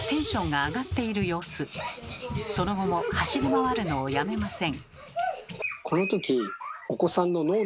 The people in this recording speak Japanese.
その後も走り回るのをやめません。